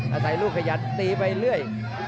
อาศัยลูกขยันตีไปเรื่อย